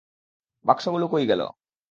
বাক্সগুলো কই গেলো?